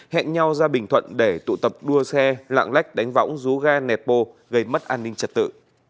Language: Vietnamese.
hẹn nhau ra bình thuận để tụ tập đua xe lạng lách đánh võng rú ga nẹp bô gây mất an ninh trật tự